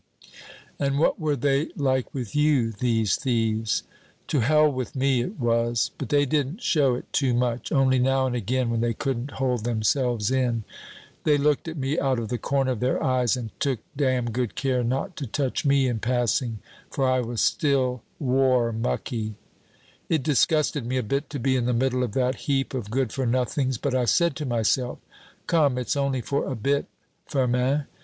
"And what were they like with you, these thieves?" "To hell with me, it was, but they didn't show it too much, only now and again when they couldn't hold themselves in. They looked at me out of the corner of their eyes, and took damn good care not to touch me in passing, for I was still war mucky. "It disgusted me a bit to be in the middle of that heap of good for nothings, but I said to myself, 'Come, it's only for a bit, Firmin.'